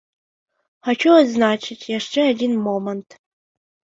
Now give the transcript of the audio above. Хачу адзначыць яшчэ адзін момант.